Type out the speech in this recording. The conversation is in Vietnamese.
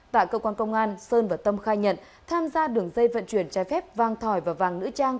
tại cơ quan công an sơn và tâm khai nhận tham gia đường dây vận chuyển trái phép vàng thỏi và vàng nữ trang